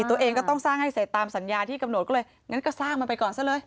ตัวเองก็ต้องสร้างให้เสร็จตามสัญญาที่กำหนดก็เลยงั้นก็สร้างมันไปก่อนซะเลย